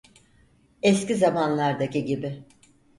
Eski zamanlardaki gibi.